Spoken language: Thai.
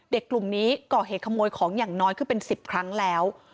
กลุ่มนี้ก่อเหตุขโมยของอย่างน้อยขึ้นเป็น๑๐ครั้งแล้ว